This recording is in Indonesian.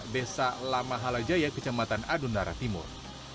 desa lama halajaya kecamatan adonara timur